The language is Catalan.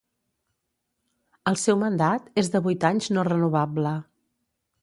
El seu mandat és de vuit anys no renovable.